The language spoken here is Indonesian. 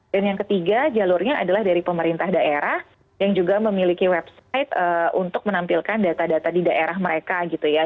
dan yang ketiga jalurnya adalah dari pemerintah daerah yang juga memiliki website untuk menampilkan data data di daerah mereka gitu ya